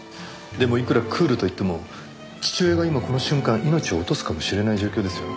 でもいくらクールといっても父親が今この瞬間命を落とすかもしれない状況ですよ。